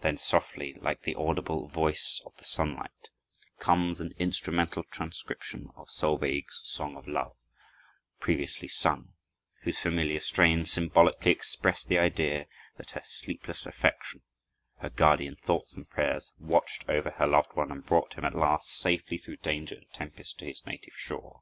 Then softly, like the audible voice of the sunlight, comes an instrumental transcription of Solveig's song of love, previously sung, whose familiar strains symbolically express the idea that her sleepless affection, her guardian thoughts and prayers have watched over her loved one and brought him at last safely through danger and tempest to his native shore.